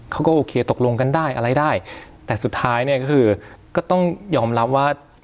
เขาก็โอเคตกลงกันได้อะไรได้แต่สุดท้ายเนี่ยก็คือก็ต้องยอมรับว่า